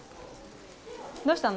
どうしたの？